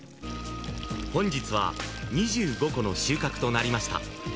本日は２５個の収穫となりました